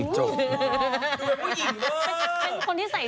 ใช่